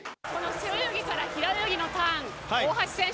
背泳ぎから平泳ぎのターン、大橋選手